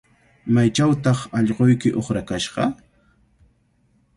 ¿Maychawtaq allquyki uqrakashqa?